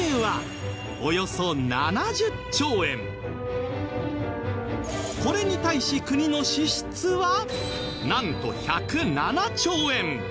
つまりこれに対し国の支出はなんと１０７兆円